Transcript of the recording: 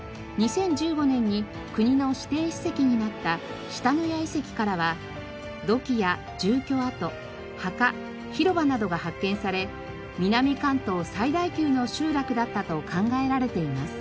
２０１５年に国の指定史跡になった下野谷遺跡からは土器や住居跡墓広場などが発見され南関東最大級の集落だったと考えられています。